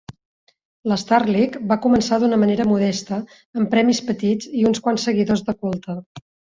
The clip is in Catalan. La Starleague va començar d'una manera modesta, amb premis petits i uns quants seguidors de culte.